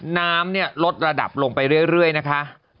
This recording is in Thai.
น้ำเนี่ยลดระดับลงไปเรื่อยนะคะ